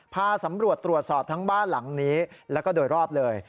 พาสำรวจตรวจสอบทั้งบ้านหลังนี้แล้วก็โดยรอบเลย